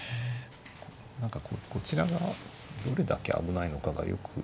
何かこうこちら側どれだけ危ないのかがよく。